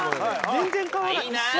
全然変わらない一緒。